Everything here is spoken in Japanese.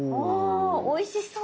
おいしそう。